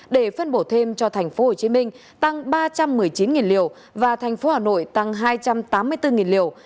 để phân bổ thêm cho thành phố hồ chí minh tăng ba trăm một mươi chín liều và thành phố hà nội tăng hai trăm tám mươi bốn liều